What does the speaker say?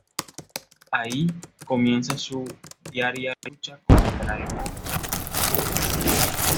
Ahí comienza su diaria lucha contra el mundo de las cosas grandes.